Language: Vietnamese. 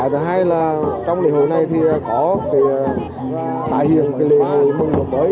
thứ hai là trong lễ hội này thì có tải hiện lễ hội mừng lập bới